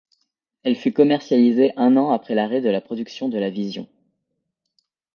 Elle fut commercialisée un an après l'arrêt de la production de la Vision.